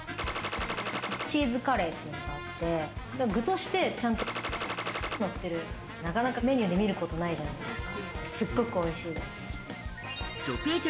○○チーズカレーというのがあって、具として○○がのってる、なかなかメニューで見ることないじゃないですか。